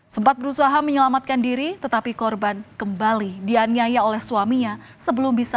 sempat berusaha menyelamatkan diri tetapi korban kembali dianiaya oleh suaminya sebelum bisa